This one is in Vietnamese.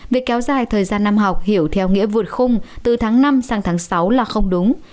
việc kéo dài thời gian năm học hiểu theo nghĩa vượt khung từ tháng năm sang tháng sáu là không đúng